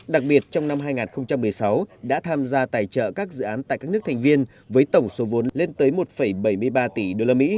đặc biệt trong năm hai nghìn một mươi sáu đã tham gia tài trợ các dự án tại các nước thành viên với tổng số vốn lên tới một bảy mươi ba tỷ usd